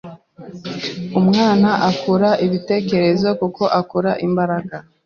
Umwana akura ibitekerezo kuko "akura imbaraga